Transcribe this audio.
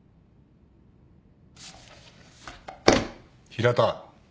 平田。